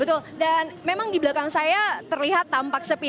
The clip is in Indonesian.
betul dan memang di belakang saya terlihat tampak sepi